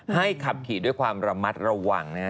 ให้ขับขี่ด้วยความระมัดระวังนะฮะ